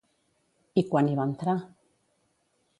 I quan hi va entrar?